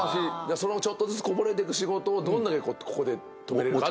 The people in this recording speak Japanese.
そのちょっとずつこぼれてく仕事をどんだけここで止めれるかって。